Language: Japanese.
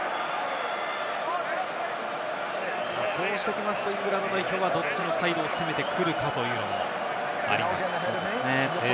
こうしていきますとイングランド代表はどっちのサイドを攻めてくるかというのもあります。